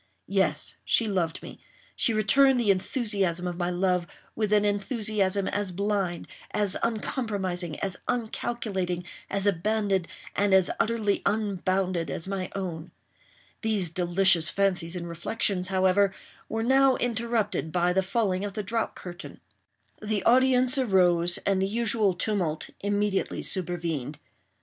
Yes, she loved me—she returned the enthusiasm of my love, with an enthusiasm as blind—as uncompromising—as uncalculating—as abandoned—and as utterly unbounded as my own! These delicious fancies and reflections, however, were now interrupted by the falling of the drop curtain. The audience arose; and the usual tumult immediately supervened.